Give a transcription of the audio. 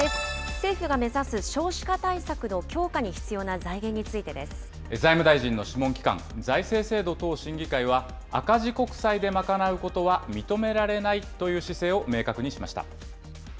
政府が目指す少子化対策の強化に財務大臣の諮問機関、財政制度等審議会は、赤字国債で賄うことは認められないという姿勢を明確にしました。